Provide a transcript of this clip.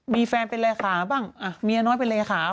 มีแฟนเป็นรายค้าบ้างมีแม่น้อยเป็นรายค้า